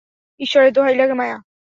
ঈশ্বরের দোহাই লাগে, মায়া।